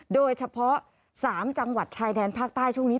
โดยเฉพาะ๓จังหวัดชายแดนภาคใต้ช่วงนี้